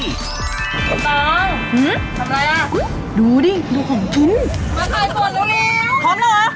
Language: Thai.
ต้องทำอะไรล่ะดูดิดูของชุ้นมาถ่ายส่วนลูกลีพร้อมแล้วเหรอ